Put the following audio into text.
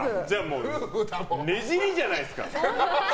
ねじりじゃないですか。